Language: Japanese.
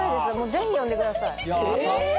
ぜひ呼んでください。